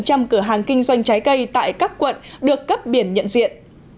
các cửa hàng kinh doanh trái cây tại các quận được cấp biển nhận diện